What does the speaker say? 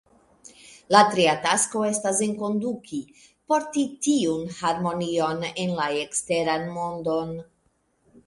La tria tasko estas enkonduki, porti tiun harmonion en la eksteran mondon.